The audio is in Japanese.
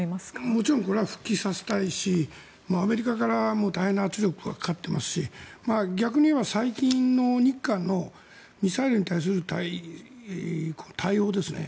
もちろんこれは復帰させたいしアメリカからも大変な圧力がかかっていますし逆にいえば最近の日韓のミサイルに対する対応ですね